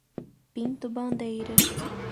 Pinto Bandeira